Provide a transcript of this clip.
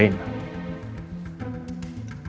ke dua ini untuk punya reina